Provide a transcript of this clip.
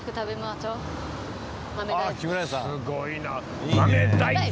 すごいな。